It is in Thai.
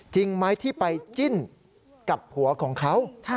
จริงไหมที่ไปจิ้นกับผัวของเขา